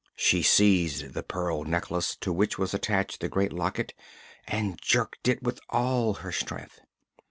She seized the pearl necklace, to which was attached the great locket, and jerked it with all her strength.